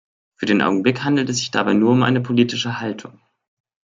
Für den Augenblick handelt es sich dabei nur um eine politische Haltung.